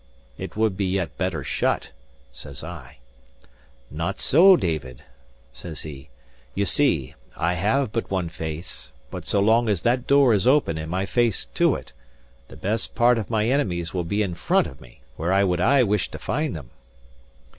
"It would be yet better shut," says I. "Not so, David," says he. "Ye see, I have but one face; but so long as that door is open and my face to it, the best part of my enemies will be in front of me, where I would aye wish to find them."